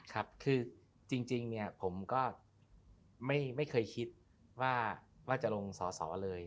ครับคือจริงเนี่ยผมก็ไม่เคยคิดว่าจะลงสอสอเลย